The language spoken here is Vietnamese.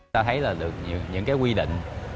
ta thấy là được những cái quy định